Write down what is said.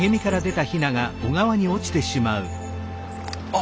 あ！